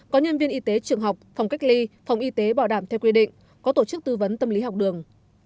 có nhân viên y tế trường học phòng cách ly phòng y tế bảo đảm theo quy định có tổ chức tư vấn tâm lý học đường